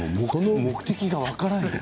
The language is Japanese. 目的が分からんよ。